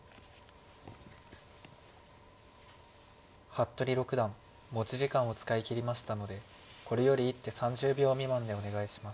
服部六段持ち時間を使い切りましたのでこれより一手３０秒未満でお願いします。